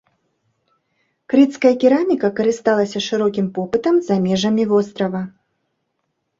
Крыцкая кераміка карысталася шырокім попытам за межамі вострава.